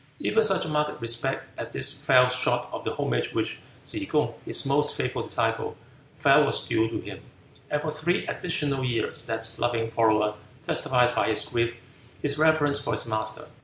Even such marked respect as this fell short of the homage which Tsze kung, his most faithful disciple, felt was due to him, and for three additional years that loving follower testified by his grief his reverence for his master.